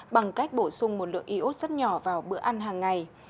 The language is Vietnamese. bằng cách bổ sung một lượng y ốt rất nhỏ vào bữa ăn hàng ngày